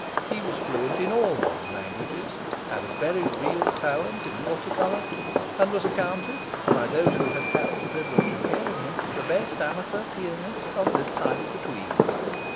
He was fluent in all modern languages, had a very real talent in water colour, and was accounted, by those who had had the privilege of hearing him, the best amateur pianist on this side of the Tweed.